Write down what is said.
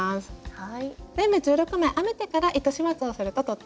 はい。